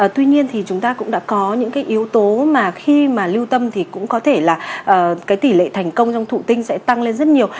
tuy nhiên thì chúng ta cũng đã có những cái yếu tố mà khi mà lưu tâm thì cũng có thể là cái tỷ lệ thành công trong thụ tinh sẽ tăng lên rất nhiều